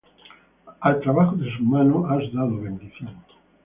Al trabajo de sus manos has dado bendición;